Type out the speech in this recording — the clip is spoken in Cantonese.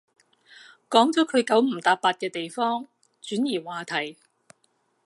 講咗佢九唔搭八嘅地方，轉移話題